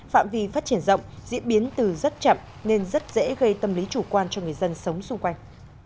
phạm vi phát triển rộng diễn biến từ rất chậm nên rất dễ gây tâm lý chủ quan cho người dân sống xung quanh